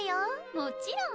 もちろん！